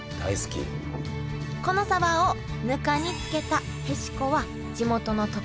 このサバをぬかに漬けたへしこは地元の特産品です